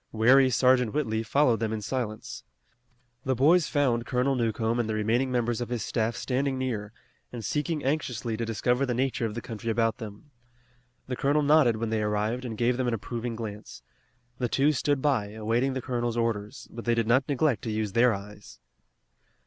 Wary Sergeant Whitley followed them in silence. The boys found Colonel Newcomb and the remaining members of his staff standing near, and seeking anxiously to discover the nature of the country about them. The colonel nodded when they arrived, and gave them an approving glance. The two stood by, awaiting the colonel's orders, but they did not neglect to use their eyes.